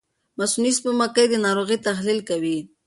مصنوعي سپوږمکۍ د ناروغۍ تحلیل کوي.